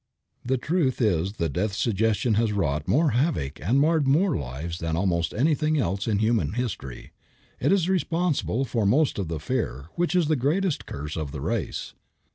The truth is the death suggestion has wrought more havoc and marred more lives than almost anything else in human history. It is responsible for most of the fear, which is the greatest curse of the race.